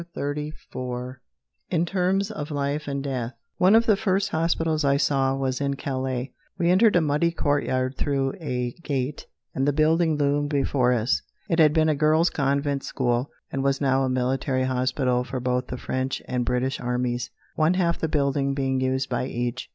CHAPTER XXXIV IN TERMS OF LIFE AND DEATH One of the first hospitals I saw was in Calais. We entered a muddy courtyard through a gate, and the building loomed before us. It had been a girls' convent school, and was now a military hospital for both the French and British armies, one half the building being used by each.